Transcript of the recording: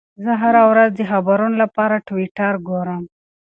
زه هره ورځ د خبرونو لپاره ټویټر ګورم.